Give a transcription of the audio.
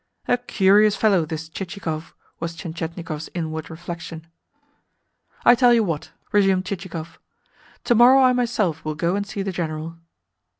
"A curious fellow, this Chichikov!" was Tientietnikov's inward reflection. "I tell you what," resumed Chichikov. "To morrow I myself will go and see the General."